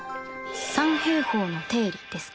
三平方の定理ですか？